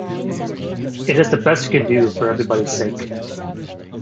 It is the best you can do for everybody's sake.